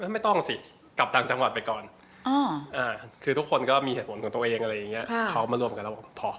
ไม่ต้องสิกลับต่างจังหวัดไปก่อนคือทุกคนก็มีเหตุผลของตัวเองอะไรอย่างนี้เขามารวมกันแล้วผมพอ